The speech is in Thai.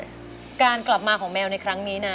ทั้งในเรื่องของการทำงานเคยทำนานแล้วเกิดปัญหาน้อย